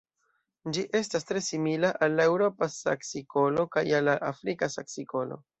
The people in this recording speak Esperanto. Ĝi estas tre simila al la Eŭropa saksikolo kaj al la Afrika saksikolo.